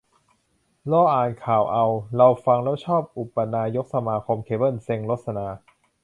รออ่านข่าวเอา - เราฟังแล้วชอบอุปนายกสมาคมเคเบิ้ล เซ็งรสนา